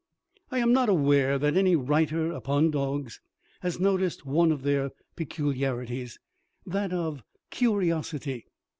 I am not aware that any writer upon dogs has noticed one of their peculiarities, that of curiosity.